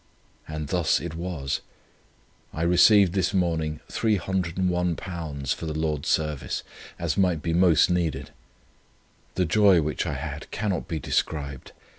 And thus it was. I received this morning £301 for the Lord's service, as might be most needed. The joy which I had cannot be described.